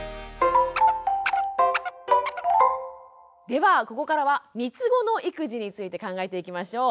ではここからはみつごの育児について考えていきましょう。